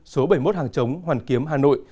số bảy mươi một hàng chống hoàn kiếm hà nội